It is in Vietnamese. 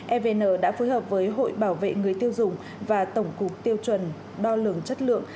evn đã phối hợp với hội bảo vệ người tiêu dùng và tổng cục tiêu chuẩn đo lường chất lượng